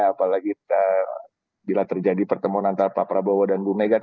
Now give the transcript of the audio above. apalagi bila terjadi pertemuan antara pak prabowo dan bu mega